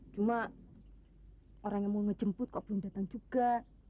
cuma orang yang mau ngejemput kok belum datang juga